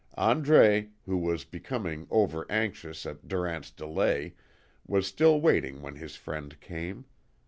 Andre, who was becoming over anxious at Durant's delay, was still waiting when his friend came.